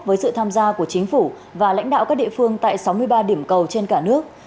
với sự tham gia của chính phủ và lãnh đạo các địa phương tại sáu mươi ba điểm cầu trên cả nước